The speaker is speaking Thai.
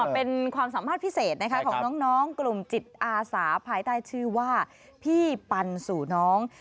เป็นความสามารถพิเศษของน้องกลุ่มจิตอาสาภายใต้ชื่อว่าพี่ปันสู่น้อง